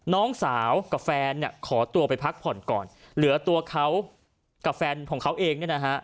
น้องสาวกับแฟนเนี่ยขอตัวไปพักผ่อนก่อนเหลือตัวเขากับแฟนของเขาเองเนี่ยนะฮะ